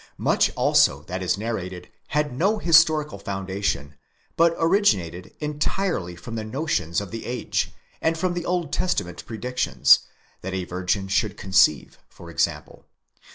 Much also that is narrated had no historical foundation, but originated entirely from the notions of the age, and from the Old Testament predictions—that a virgin should conceive—for example.